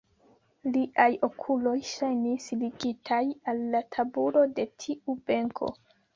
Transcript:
Liaj okuloj ŝajnis ligitaj al la tabulo de tiu benko.